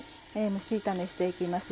蒸し炒めして行きます